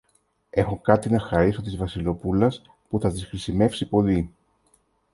Έχω κάτι να χαρίσω της Βασιλοπούλας που θα της χρησιμεύσει πολύ.